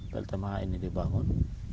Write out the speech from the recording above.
peltemaha ini dibangun